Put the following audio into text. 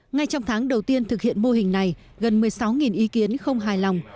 ngay trong tháng đầu tiên thực hiện mô hình này gần một mươi sáu ý kiến không hài lòng